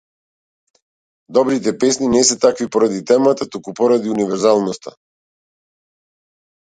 Добрите песни не се такви поради темата, туку поради универзалноста.